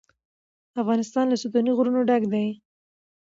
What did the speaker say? افغانستان له ستوني غرونه ډک دی.